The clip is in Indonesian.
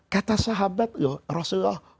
kata sahabat loh rasulullah